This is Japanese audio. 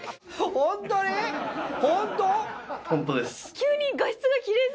本当です。